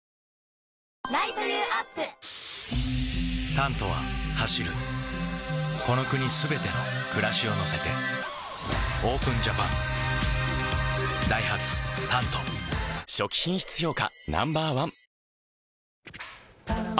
「タント」は走るこの国すべての暮らしを乗せてＯＰＥＮＪＡＰＡＮダイハツ「タント」初期品質評価